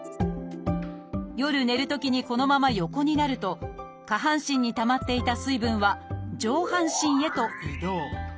夜寝るときにこのまま横になると下半身にたまっていた水分は上半身へと移動。